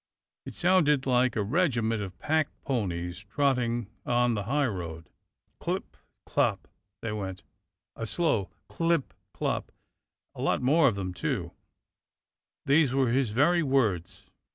It sounded like a regiment of pack ponies trotting on the highroad — *'tlip tlop" they went, a slow tlip tlop," and a lot of them, too. These were his very words.